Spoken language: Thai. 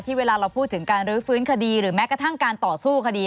เวลาเราพูดถึงการรื้อฟื้นคดีหรือแม้กระทั่งการต่อสู้คดี